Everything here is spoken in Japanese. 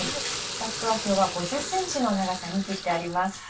ラップは今日は５０ｃｍの長さに切ってあります。